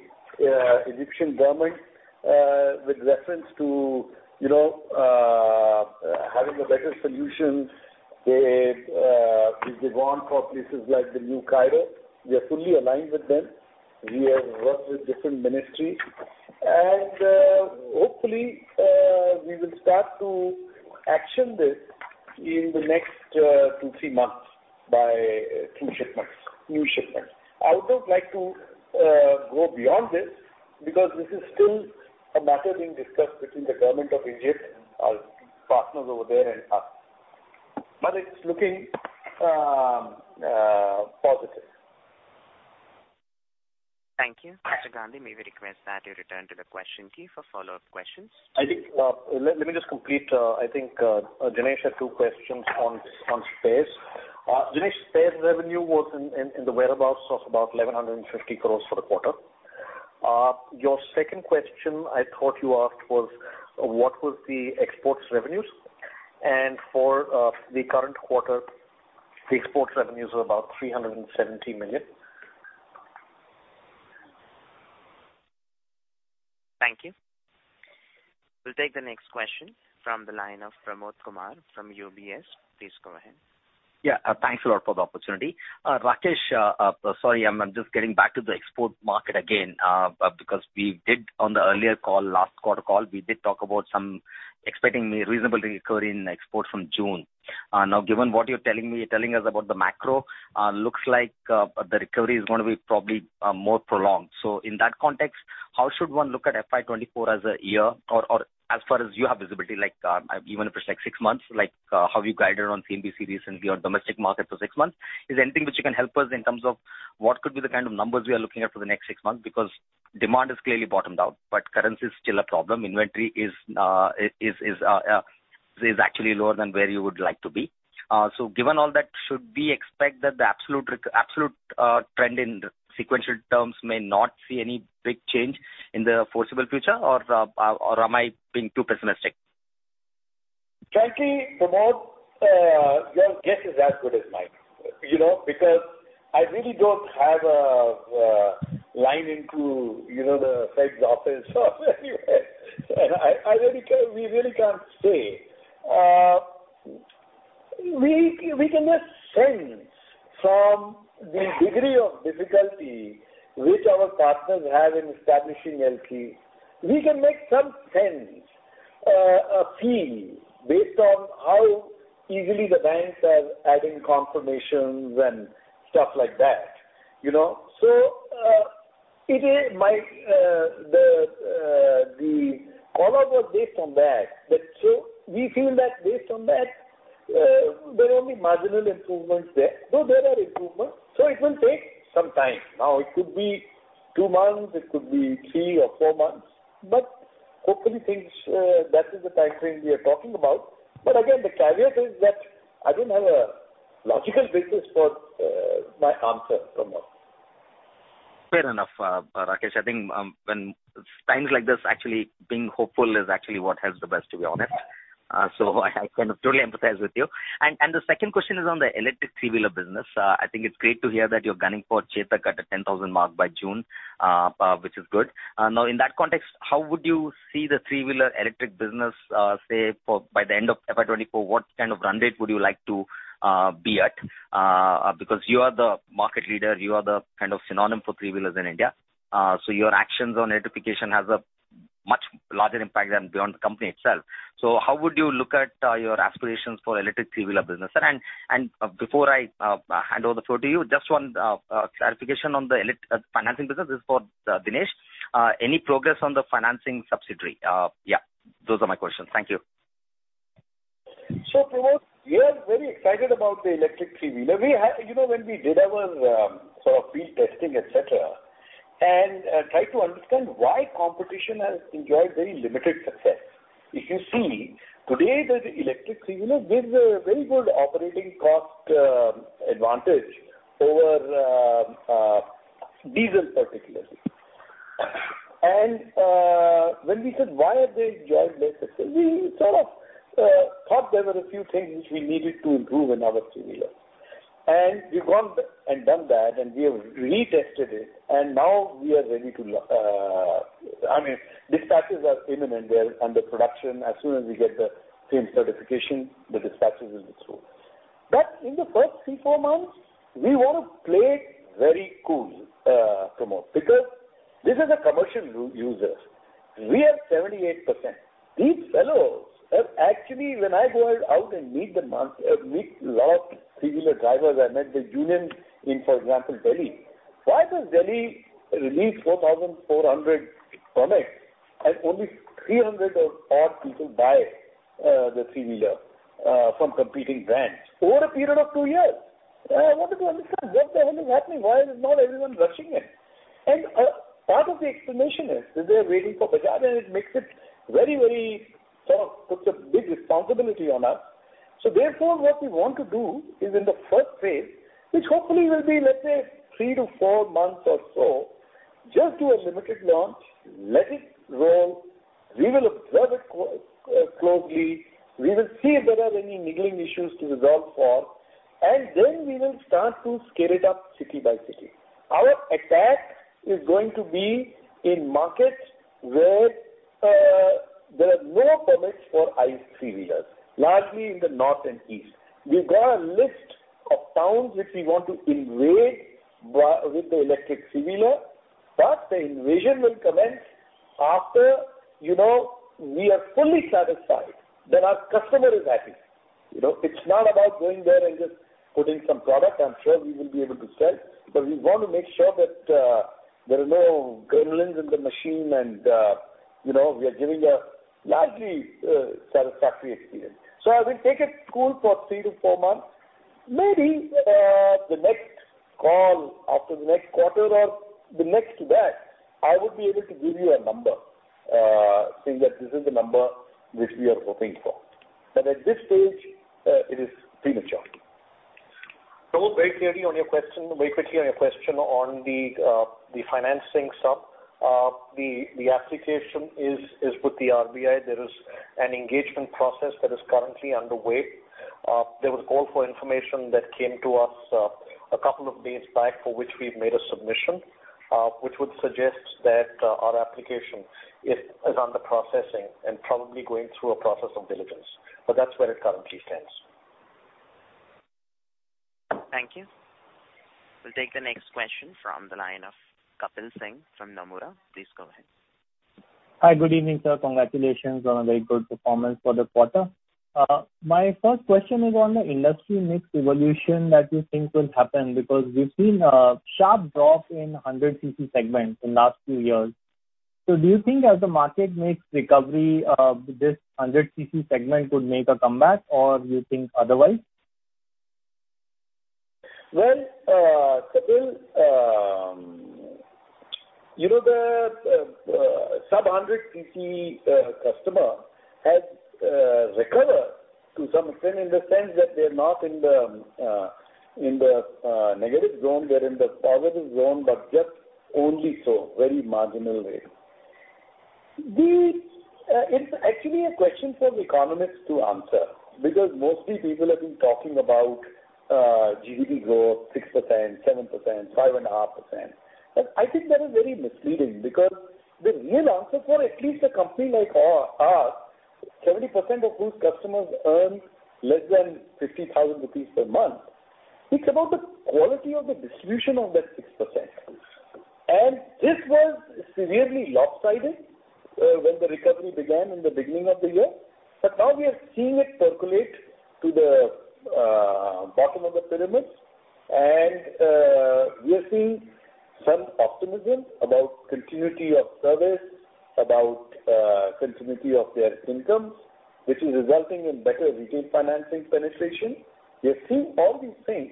Egyptian government with reference to, you know, having a better solution with the van for places like the New Cairo. We are fully aligned with them. We have worked with different ministries. Hopefully, we will start to action this in the next two, three months by through shipments, new shipments. I would not like to go beyond this because this is still a matter being discussed between the government of Egypt and our partners over there and us. It's looking positive. Thank you. Mr. Gandhi, may we request that you return to the question queue for follow-up questions. I think, let me just complete, I think, Jinesh had two questions on spares. Jinesh, spares revenue was in the whereabouts of about 1,150 crore for the quarter. Your second question I thought you asked was, what was the exports revenues? For the current quarter, the exports revenues were about INR 370 million. Thank you. We'll take the next question from the line of Pramod Kumar from UBS. Please go ahead. Thanks a lot for the opportunity. Rakesh, sorry, I'm just getting back to the export market again, because we did on the earlier call, last quarter call, we did talk about some expecting reasonable recovery in exports from June. Now given what you're telling me, telling us about the macro, looks like the recovery is gonna be probably more prolonged. In that context, how should one look at FY 2024 as a year or as far as you have visibility, like, even if it's like six months, like, how you guided on CNBC recently on domestic market for six months. Is there anything which you can help us in terms of what could be the kind of numbers we are looking at for the next six months? Demand is clearly bottomed out, but currency is still a problem. Inventory is actually lower than where you would like to be. Given all that, should we expect that the absolute trend in sequential terms may not see any big change in the foreseeable future or am I being too pessimistic? Frankly, Pramod, your guess is as good as mine. You know, because I really don't have a line into, you know, the Fed's office or anywhere. I really can't, we really can't say. We can just sense from the degree of difficulty which our partners have in establishing LCs. We can make some sense, a feel based on how easily the banks are adding confirmations and stuff like that, you know. It is my, the call-out was based on that. We feel that based on that, there are only marginal improvements there, though there are improvements, so it will take some time. Now, it could be two months, it could be three or four months, but hopefully things, that is the time frame we are talking about. Again, the caveat is that I don't have a logical basis for my answer, Pramod. Fair enough, Rakesh. I think when times like this, actually being hopeful is actually what helps the best, to be honest. I kind of totally empathize with you. The second question is on the electric three-wheeler business. I think it's great to hear that you're gunning for Chetak at the 10,000 mark by June, which is good. Now in that context, how would you see the three-wheeler electric business, say for by the end of FY 2024, what kind of run rate would you like to be at? Because you are the market leader, you are the kind of synonym for three-wheelers in India, your actions on electrification has a much larger impact than beyond the company itself. How would you look at your aspirations for electric three-wheeler business? Before I hand over the floor to you, just one clarification on the financing business. This is for Dinesh. Any progress on the financing subsidiary? Yeah, those are my questions. Thank you. Pramod, we are very excited about the electric three-wheeler. You know, when we did our sort of field testing, et cetera, tried to understand why competition has enjoyed very limited success. If you see today that the electric three-wheeler gives a very good operating cost advantage over diesel particularly. When we said why have they enjoyed less success? We sort of thought there were a few things which we needed to improve in our three-wheeler. We've gone and done that, and we have retested it, and now we are ready to, I mean, dispatches are imminent. They're under production. As soon as we get the FAME certification, the dispatches will be through. In the first three, four months, we wanna play it very cool, Pramod, because this is a commercial user. We have 78%. These fellows have actually, when I go out and meet lot three-wheeler drivers, I met the union in, for example, Delhi. Why does Delhi release 4,400 permits and only 300 or odd people buy the three-wheeler from competing brands over a period of two years? I wanted to understand what the hell is happening, why is not everyone rushing it? Part of the explanation is that they're waiting for Bajaj, and it makes it very, very... sort of puts a big responsibility on us. Therefore, what we want to do is in the first phase, which hopefully will be, let's say three to four months or so, just do a limited launch, let it roll. We will observe it closely. We will see if there are any niggling issues to resolve for. Then we will start to scale it up city by city. Our attack is going to be in markets where there are more permits for ICE three-wheelers, largely in the north and east. We've got a list of towns which we want to invade with the electric three-wheeler. The invasion will commence after, you know, we are fully satisfied that our customer is happy. You know, it's not about going there and just putting some product. I'm sure we will be able to sell. We want to make sure that there are no gremlins in the machine and, you know, we are giving a largely satisfactory experience. I will take it cool for three to four months. Maybe, the next call after the next quarter or the next to that, I would be able to give you a number, saying that this is the number which we are hoping for. At this stage, it is premature. Very clearly on your question, very quickly on your question on the financing sub. The application is with the RBI. There is an engagement process that is currently underway. There was call for information that came to us a couple of days back for which we've made a submission, which would suggest that our application is under processing and probably going through a process of diligence. That's where it currently stands. Thank you. We'll take the next question from the line of Kapil Singh from Nomura. Please go ahead. Hi. Good evening, sir. Congratulations on a very good performance for the quarter. My first question is on the industry mix evolution that you think will happen, because we've seen a sharp drop in 100 cc segment in the last few years. Do you think as the market makes recovery, this 100 cc segment could make a comeback or you think otherwise? Well, Kapil, you know, the sub-100 cc customer has recovered to some extent in the sense that they're not in the negative zone, they're in the positive zone, but just only so, very marginal way. It's actually a question for the economists to answer, because mostly people have been talking about GDP growth 6%, 7%, 5.5%. I think that is very misleading because the real answer for at least a company like us, 70% of whose customers earn less than 50,000 rupees per month, it's about the quality of the distribution of that 6%. This was severely lopsided when the recovery began in the beginning of the year. Now we are seeing it percolate to the bottom of the pyramid. We are seeing some optimism about continuity of service, about continuity of their incomes, which is resulting in better retail financing penetration. We are seeing all these things.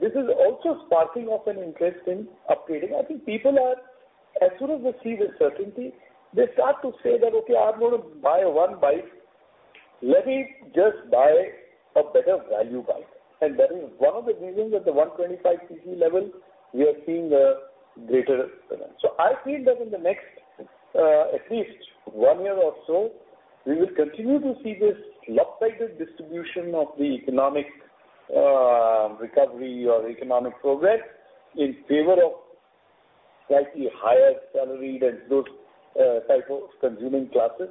This is also sparking off an interest in upgrading. I think people are, as soon as they see the certainty, they start to say that, "Okay, I'm gonna buy one bike. Let me just buy a better value bike." That is one of the reasons at the 125 cc level, we are seeing a greater demand. I feel that in the next, at least one year or so, we will continue to see this lopsided distribution of the economic recovery or economic progress in favor of slightly higher salaried and those type of consuming classes,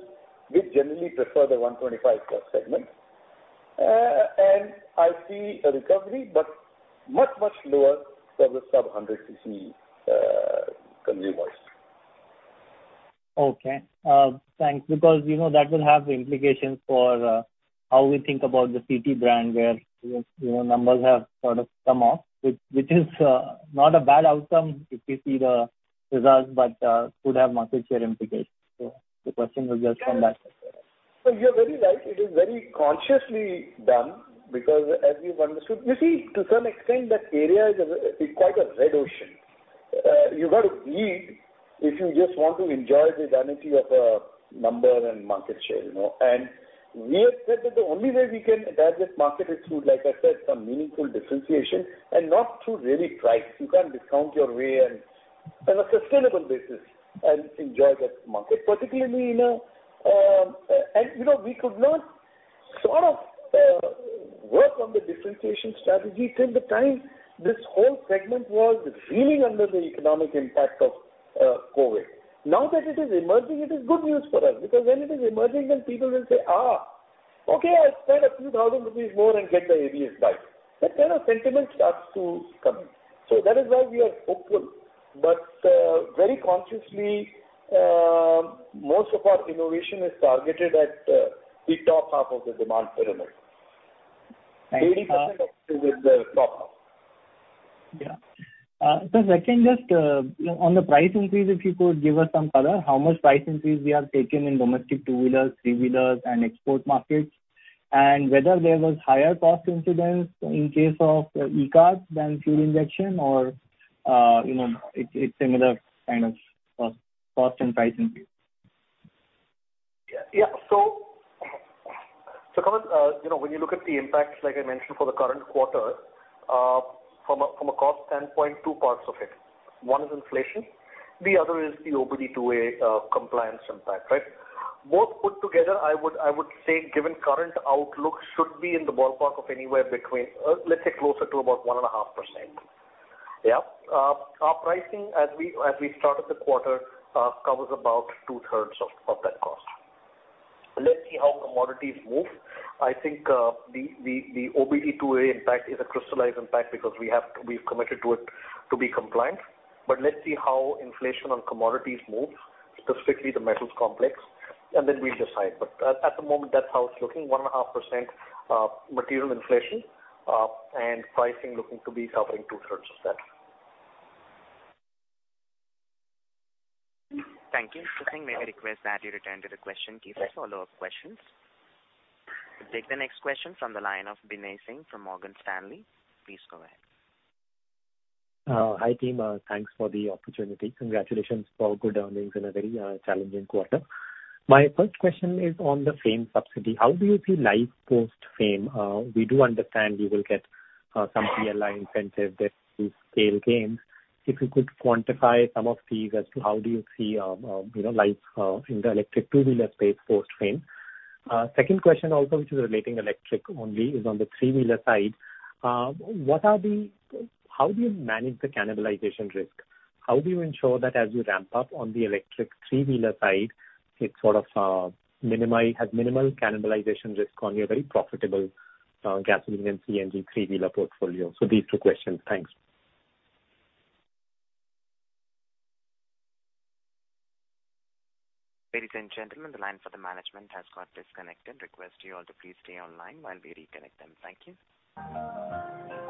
which generally prefer the 125 plus segment. I see a recovery but much, much lower for the sub-100 cc consumers. Okay. Thanks. You know, that will have implications for how we think about the CT brand where, you know, numbers have sort of come off, which is not a bad outcome if you see the results, but could have market share implications. The question was just on that. You're very right. It is very consciously done because as you've understood. You see, to some extent that area is quite a red ocean. You've got to bleed if you just want to enjoy the vanity of a number and market share, you know. We have said that the only way we can address this market is through, like I said, some meaningful differentiation and not through really price. You can't discount your way and have a sustainable business and enjoy that market, particularly in a. You know, we could not sort of work on the differentiation strategy till the time this whole segment was reeling under the economic impact of COVID. Now that it is emerging, it is good news for us, because when it is emerging then people will say, "okay, I'll spend a few thousand INR more and get the ABS bike." That kind of sentiment starts to come in. That is why we are hopeful. Very consciously, most of our innovation is targeted at the top half of the demand pyramid. Thanks. 80% of it is the top half. Yeah. Sir, second, just, on the price increase, if you could give us some color, how much price increase we have taken in domestic two-wheelers, three-wheelers and export markets, and whether there was higher cost incidence in case of e-cart than fuel injection or, you know, it's similar kind of cost and price increase? Pramod Kumar, you know, when you look at the impacts, like I mentioned for the current quarter, from a cost standpoint, two parts of it. One is inflation, the other is the OBD-II compliance impact, right? Both put together, I would say, given current outlook, should be in the ballpark of anywhere between, let's say closer to about 1.5%. Our pricing as we started the quarter, covers about two-thirds of that cost. Let's see how commodities move. I think, the OBD-II impact is a crystallized impact because we've committed to it to be compliant. Let's see how inflation on commodities moves, specifically the metals complex, and then we'll decide. At the moment, that's how it's looking. 1.5%, material inflation, and pricing looking to be covering two-thirds of that. Thank you. May I request that you return to the question queue for follow-up questions. We'll take the next question from the line of Binay Singh from Morgan Stanley. Please go ahead. Hi, team. Thanks for the opportunity. Congratulations for good earnings in a very challenging quarter. My first question is on the FAME subsidy. How do you see life post-FAME? We do understand you will get some PLI incentive that will scale gains. If you could quantify some of these as to how do you see, you know, life in the electric two-wheeler space post-FAME. Second question also, which is relating electric only, is on the three-wheeler side. How do you manage the cannibalization risk? How do you ensure that as you ramp up on the electric three-wheeler side, it sort of has minimal cannibalization risk on your very profitable gasoline and CNG three-wheeler portfolio? These two questions. Thanks. Ladies and gentlemen, the line for the management has got disconnected. Request you all to please stay online while we reconnect them. Thank you.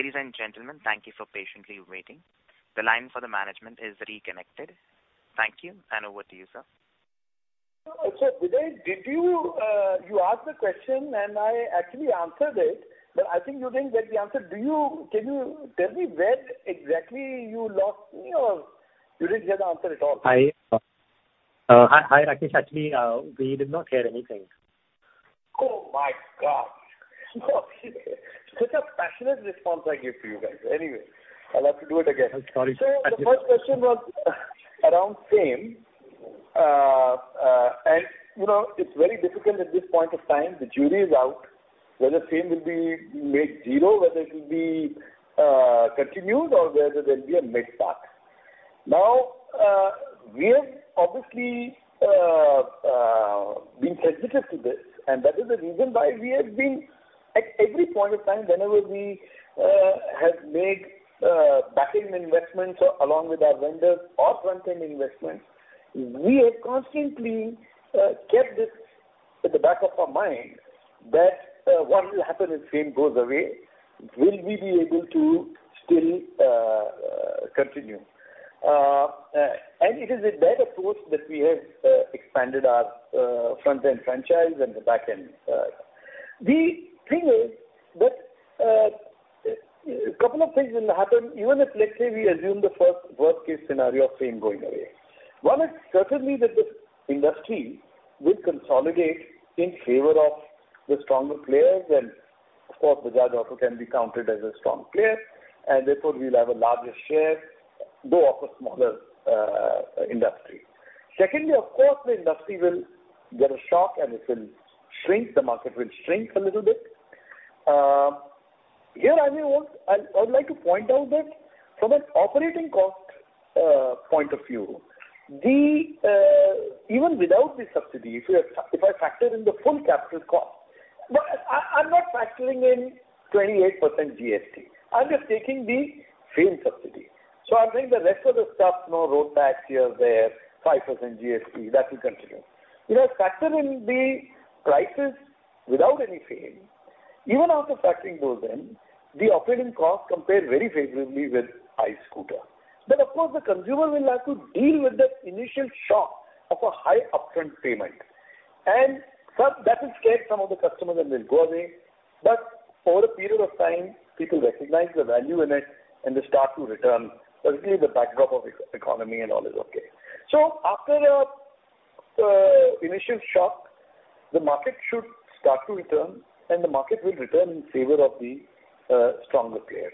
Ladies and gentlemen, thank you for patiently waiting. The line for the management is reconnected. Thank you, and over to you, sir. Binay Singh, did you asked the question, and I actually answered it, but I think you didn't get the answer. Can you tell me where exactly you lost me, or you didn't hear the answer at all? I, hi, Rakesh. Actually, we did not hear anything. Oh my gosh. Such a passionate response I give to you guys. Anyway, I'll have to do it again. I'm sorry. The first question was around FAME. You know, it's very difficult at this point of time. The jury is out whether FAME will be made zero, whether it will be continued, or whether there'll be a mid path. We have obviously been sensitive to this, and that is the reason why we have been at every point of time, whenever we have made backend investments along with our vendors or front-end investments. We have constantly kept this at the back of our mind that what will happen if FAME goes away? Will we be able to still continue? It is with that approach that we have expanded our front-end franchise and the backend. The thing is that, couple of things will happen even if, let's say, we assume the first worst-case scenario of FAME going away. One is certainly that the industry will consolidate in favor of the stronger players. Of course, Bajaj Auto can be counted as a strong player, and therefore we will have a larger share, though of a smaller industry. Secondly, of course, the industry will get a shock and it will shrink, the market will shrink a little bit. Here I would like to point out that from an operating cost point of view, the even without the subsidy, if I factor in the full capital cost, but I'm not factoring in 28% GST. I'm just taking the FAME subsidy. I'm saying the rest of the stuff, you know, road tax here, there, 5% GST, that will continue. We have factored in the prices without any FAME. Even after factoring those in, the operating costs compare very favorably with ICE scooter. Of course, the consumer will have to deal with that initial shock of a high upfront payment. That will scare some of the customers and they'll go away. Over a period of time, people recognize the value in it and they start to return, especially the backdrop of eco-economy and all is okay. After the initial shock, the market should start to return, and the market will return in favor of the stronger player.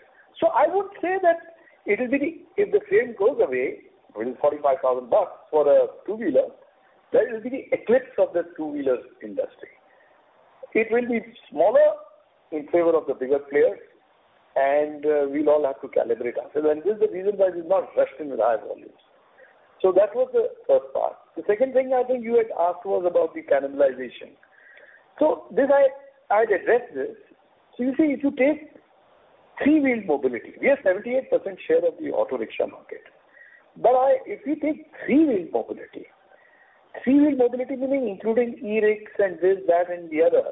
I would say that it will be if the FAME goes away, it is INR 45,000 for a two-wheeler, that will be the eclipse of the two-wheeler industry. It will be smaller in favor of the bigger players, and we'll all have to calibrate ourselves. This is the reason why we've not rushed in with high volumes. That was the first part. The second thing I think you had asked was about the cannibalization. This I'd address this. You see, if you take three-wheeled mobility, we have 78% share of the auto rickshaw market. If we take three-wheeled mobility, three-wheeled mobility meaning including e-rickshaws and this, that, and the other,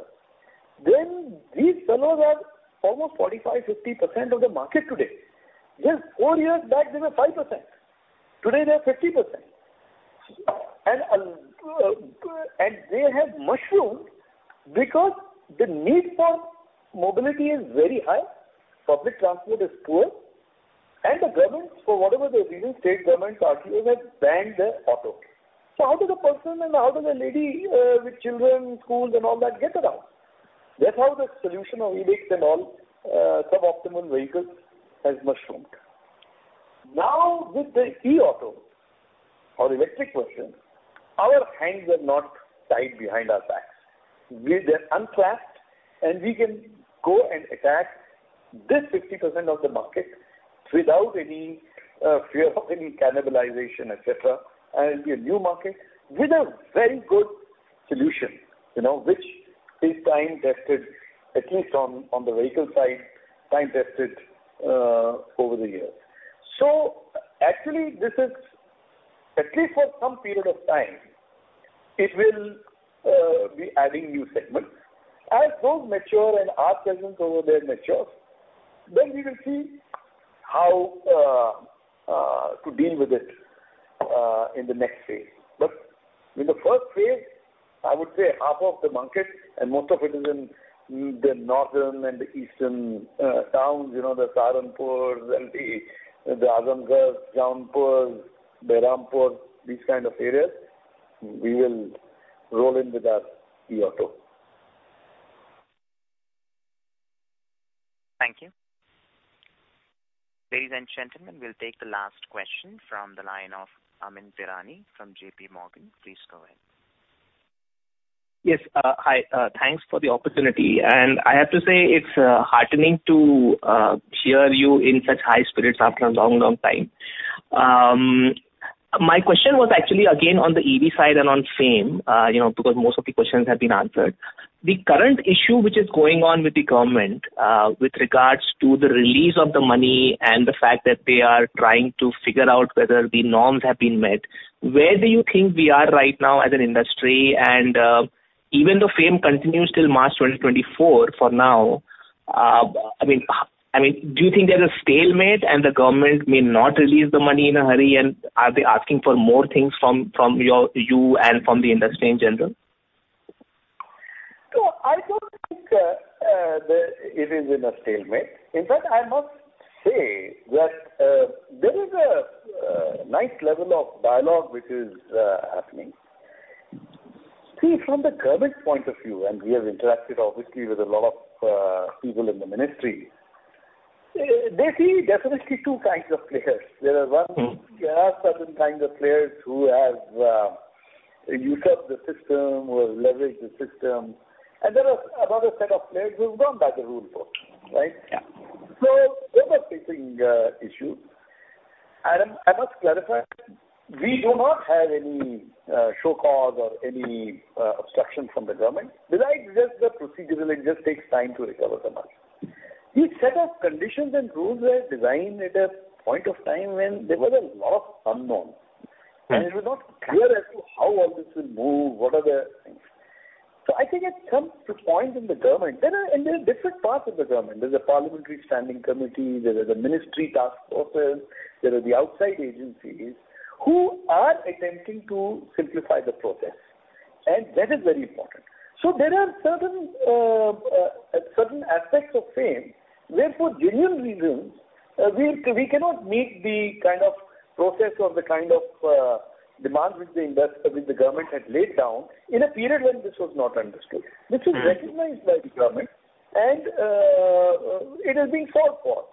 then these fellows have almost 45%-50% of the market today. Just four years back, they were 5%. Today, they're 50%. They have mushroomed because the need for mobility is very high, public transport is poor, and the government, for whatever the reason, state government, RTO, have banned the auto. How does a person and how does a lady with children, schools and all that get around? That's how the solution of e-rickshaws and all suboptimal vehicles has mushroomed. With the e-auto or electric version, our hands are not tied behind our backs. They're unclasped, and we can go and attack this 50% of the market without any fear of any cannibalization, et cetera, and be a new market with a very good solution, you know, which is time tested, at least on the vehicle side, time tested over the years. Actually, this is at least for some period of time, it will be adding new segments. As those mature and our presence over there matures, then we will see how to deal with it in the next phase. In the first phase, I would say half of the market and most of it is in the northern and the eastern towns, you know, the Saharanpur, and the Azamgarh, Rampur, Berhampur, these kind of areas, we will roll in with our e-auto. Thank you. Ladies and gentlemen, we'll take the last question from the line of Amyn Pirani from JPMorgan. Please go ahead. Yes, hi. Thanks for the opportunity. I have to say it's heartening to hear you in such high spirits after a long, long time. My question was actually again on the EV side and on FAME, you know, because most of the questions have been answered. The current issue which is going on with the government, with regards to the release of the money and the fact that they are trying to figure out whether the norms have been met, where do you think we are right now as an industry? Even though FAME continues till March 2024 for now, I mean, do you think there's a stalemate and the government may not release the money in a hurry? Are they asking for more things from your, you and from the industry in general? I don't think that it is in a stalemate. In fact, I must say that there is a nice level of dialogue which is happening. From the government's point of view, and we have interacted obviously with a lot of people in the ministry, they see definitely two kinds of players. Mm-hmm. There are certain kinds of players who have used up the system or leveraged the system, and there are another set of players who've gone by the rule book, right? Yeah. They're facing issues. I must clarify, we do not have any show cause or any obstruction from the government. This is just the procedural, it just takes time to recover the money. These set of conditions and rules were designed at a point of time when there was a lot of unknowns. Mm-hmm. it was not clear as to how all this will move, what are the things. I think it comes to points in the government. There are different parts of the government. There's a parliamentary standing committee, there is a ministry task forces, there are the outside agencies who are attempting to simplify the process. that is very important. there are certain aspects of FAME where for genuine reasons, we cannot meet the kind of process or the kind of demand which the government had laid down in a period when this was not understood. Mm-hmm. This is recognized by the government and it is being solved for.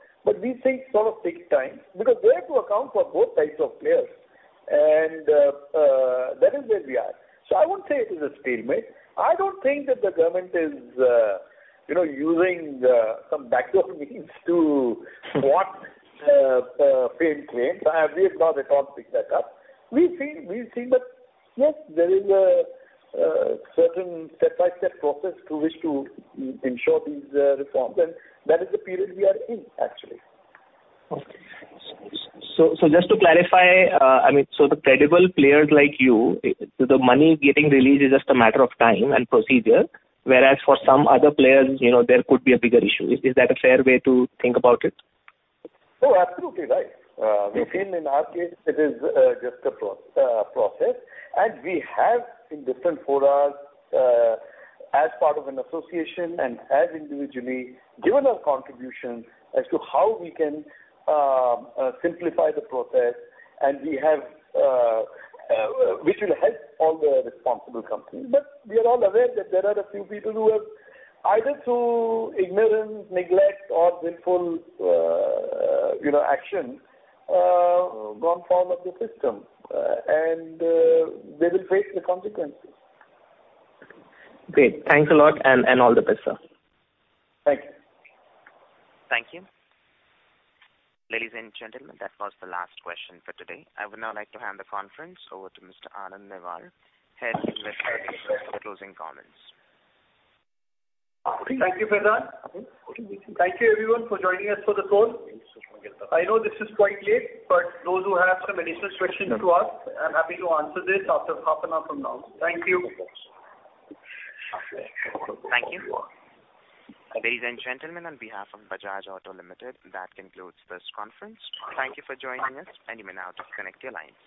These things sort of take time because they have to account for both types of players and that is where we are. I won't say it is a stalemate. I don't think that the government is, you know, using some backdoor means to swat failed claims. I have read no reports like that. We feel that, yes, there is a certain step-by-step process through which to ensure these reforms, and that is the period we are in actually. Just to clarify, I mean, the credible players like you, the money getting released is just a matter of time and procedure, whereas for some other players, you know, there could be a bigger issue. Is that a fair way to think about it? Oh, absolutely right. We feel in our case it is just a process, and we have in different forums, as part of an association and as individually given our contribution as to how we can simplify the process. We have, which will help all the responsible companies. We are all aware that there are a few people who have, either through ignorance, neglect or willful, you know, action, gone foul of the system, and they will face the consequences. Great. Thanks a lot and all the best, sir. Thank you. Thank you. Ladies and gentlemen, that was the last question for today. I would now like to hand the conference over to Mr. Anand Newar, Head Investor Relations, for closing comments. Thank you, Faizan. Thank you everyone for joining us for the call. I know this is quite late, but those who have some additional questions to ask, I'm happy to answer this after half an hour from now. Thank you. Thank you. Ladies and gentlemen, on behalf of Bajaj Auto Limited, that concludes this conference. Thank you for joining us and you may now disconnect your lines.